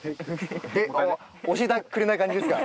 教えてくれない感じですか？